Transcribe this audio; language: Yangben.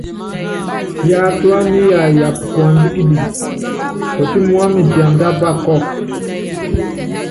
Yatúana yayapa puandá kitikiti, ɔtímí wámɛ tiánda apá kɔ́kɔ.